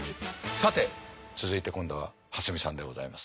さて続いて今度は蓮見さんでございます。